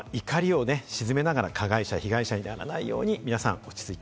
怒りを鎮めながら加害者、被害者にならないように皆さん落ち着い